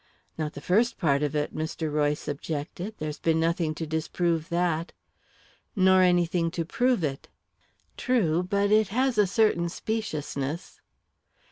"Not the first part of it," Mr. Royce objected. "There's been nothing to disprove that." "Nor anything to prove it." "True but it has a certain speciousness."